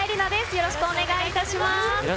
よろしくお願いします。